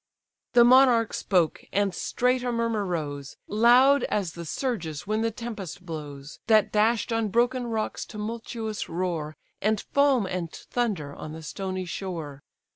The monarch spoke; and straight a murmur rose, Loud as the surges when the tempest blows, That dash'd on broken rocks tumultuous roar, And foam and thunder on the stony shore.